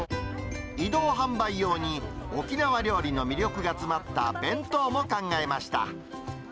移動販売用に、沖縄料理の魅力が詰まった弁当も考えました。